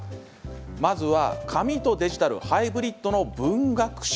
まず紙とデジタルのハイブリッドの文学集。